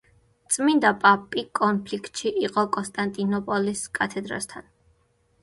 წმინდა პაპი კონფლიქტში იყო კონსტანტინოპოლის კათედრასთან.